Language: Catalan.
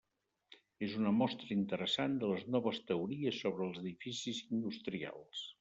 És una mostra interessant de les noves teories sobre els edificis industrials.